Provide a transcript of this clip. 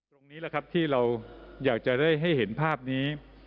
ตรงนี้แหละครับที่เราอยากจะได้ให้เห็นภาพนี้